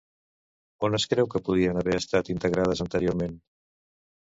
On es creu que podrien haver estat integrades anteriorment?